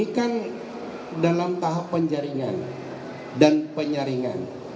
ini kan dalam tahap penjaringan dan penyaringan